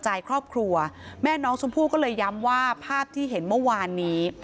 ใจครอบครัวแม่น้องชมพู่ก็เลยย้ำว่าภาพที่เห็นเมื่อวานนี้